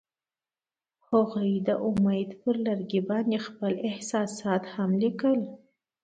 هغوی د امید پر لرګي باندې خپل احساسات هم لیکل.